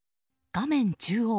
画面中央。